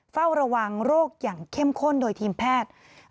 เฝ้าระวังโรคอย่างเข้มข้นโดยทีมแพทย์